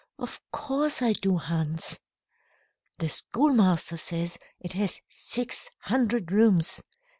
"Of course I do, Hans." "The schoolmaster says it has six hundred rooms.